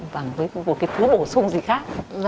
bằng với một cái thứ bổ sung gì khác